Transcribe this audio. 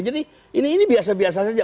jadi ini biasa biasa saja